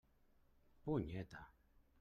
Punyeta!